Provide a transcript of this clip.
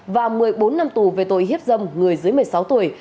và một mươi bốn năm tù về tội hiếp dâm người dưới một mươi sáu tuổi